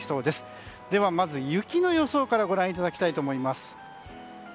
ではまず、雪の予想からご覧いただきたいと思います。